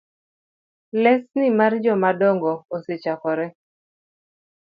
Lesni mar jomadongo osechakore